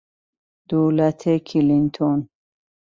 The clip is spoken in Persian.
دولت کلینتون